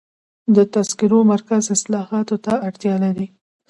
د تذکرو مرکز اصلاحاتو ته اړتیا لري.